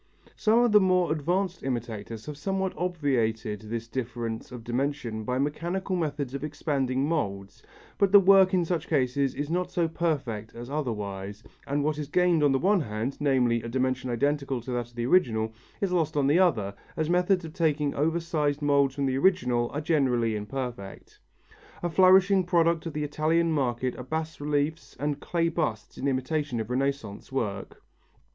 Some of the more advanced imitators have somewhat obviated this difference of dimension by mechanical methods of expanding moulds, but the work in such cases is not so perfect as otherwise and what is gained on the one hand, namely, a dimension identical to that of the original, is lost on the other, as methods of taking over sized moulds from originals are generally imperfect. A flourishing product of the Italian market are bas reliefs and clay busts in imitation of Renaissance work.